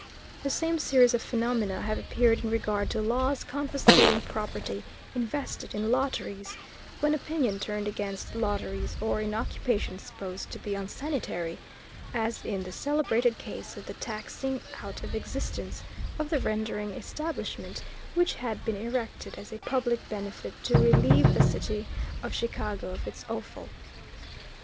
The same series of phenomena have appeared in regard to laws confiscating property invested in lotteries, when opinion turned against lotteries, or in occupations supposed to be unsanitary, as in the celebrated case of the taxing out of existence of the rendering establishment which had been erected as a public benefit to relieve the City of Chicago of its offal.